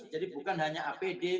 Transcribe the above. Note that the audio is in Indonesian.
jadi bukan hanya apd